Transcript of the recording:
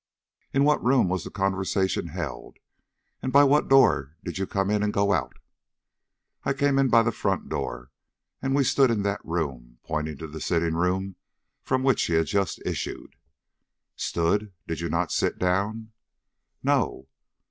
"In what room was the conversation held, and by what door did you come in and go out?" "I came in by the front door, and we stood in that room" pointing to the sitting room from which he had just issued. "Stood! Did you not sit down?" "No."